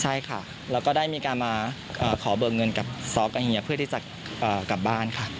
ใช่ค่ะแล้วก็ได้มีการมาขอเบิกเงินกับซ้อกับเฮียเพื่อที่จะกลับบ้านค่ะ